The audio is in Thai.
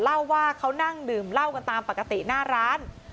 เล่าว่าเขานั่งดื่มเหล้ากันตามปกติหน้าร้าน